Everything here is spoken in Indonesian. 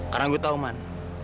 karena saya tahu man